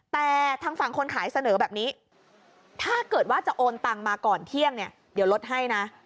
แต่ทางฝั่งคนขายเสนอแบบนี้ถ้าเกิดว่าจะโอนตังมาก่อนเที่ยงเนี่ยเดี๋ยวลดให้นะ